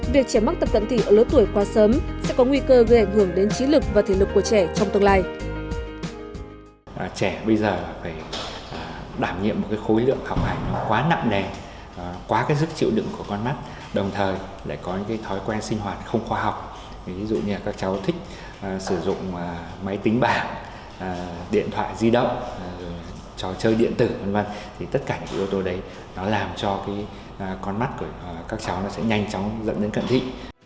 việc trẻ mắc tật cận thị ở lớp tuổi quá sớm sẽ có nguy cơ gây ảnh hưởng đến trí lực và thể lực của trẻ trong tương lai